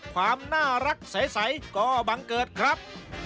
ความน่ารักใสก็บังเกิดครับ